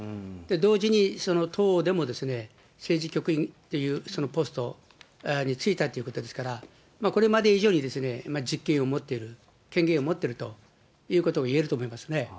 同時に党でも政治局員というそのポストに就いたってことですから、これまで以上に実権を持っている、権限を持っているということがいえると思いますね。